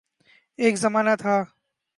ایک زمانہ تھا